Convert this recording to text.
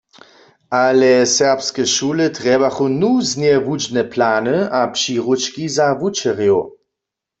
Ale serbske šule trjebachu nuznje wučbne plany a přiručki za wučerjow.